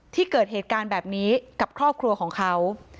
ที่เกิดเหตุการณ์แบบนี้กับครอบครัวของเขา